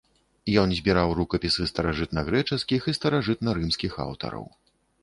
Ён збіраў рукапісы старажытнагрэчаскіх і старажытнарымскіх аўтараў.